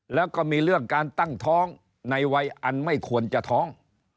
แล้วก็มีเรื่องการตั้งท้องในวัยอันไม่ควรจะท้อง